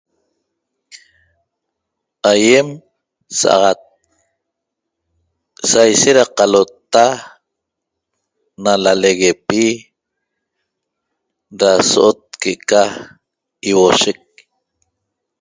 Aýem saxat saishet da qalota na laleguepi da so'ot que'eca iuoshec